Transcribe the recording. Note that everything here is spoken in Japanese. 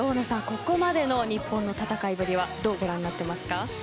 ここまでの日本の戦いぶりはどうご覧になっていますか？